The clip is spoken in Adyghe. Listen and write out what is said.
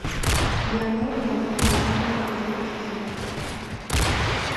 Янэрэ ятэрэ бэшIагъэ зэрэзэхэкIыжьыгъэхэр.